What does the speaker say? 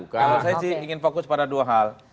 kalau saya sih ingin fokus pada dua hal